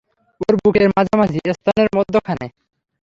ওর বুকের মাঝামাঝি, স্তনের মধ্যখানে।